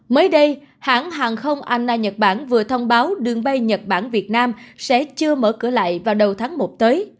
mới đây hãng hàng không anna nhật bản vừa thông báo đường bay nhật bản việt nam sẽ chưa mở cửa lại vào đầu tháng một tới